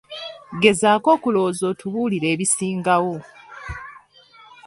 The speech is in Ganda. Gezaako okulowooza otubuulire ebisingawo.